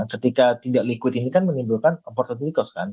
ketika tidak liquid ini kan menimbulkan opportunity cost kan